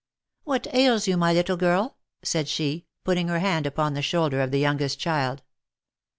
" What ails you, my little girl ?" said she, putting her hand upon the shoulder of the youngest child.